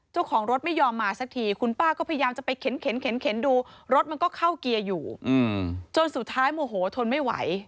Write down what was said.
ตอนสุดท้ายโมโหทนไม่ไหว